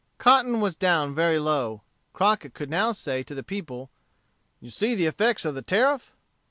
Cotton was down very low. Crockett could now say to the people: "You see the effects of the Tariff."